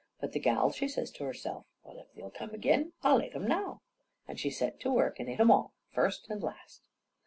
But the gal, she says to herself, "Well, if they'll come agin, I'll ate 'em now." And she set to work and ate 'em all, first and last.